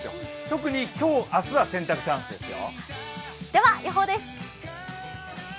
特に、今日、明日は洗濯チャンスですよ。